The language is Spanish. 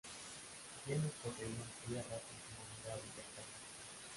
Quienes poseían tierras en comunidades cercanas.